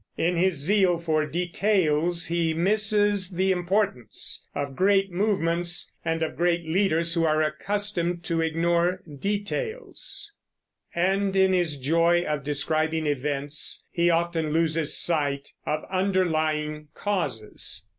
In his zeal for details he misses the importance of great movements, and of great leaders who are accustomed to ignore details; and in his joy of describing events he often loses sight of underlying causes.